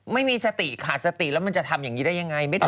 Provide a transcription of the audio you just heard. ไม่มีสติขาดสติแล้วมันจะทำอย่างนี้ได้ยังไง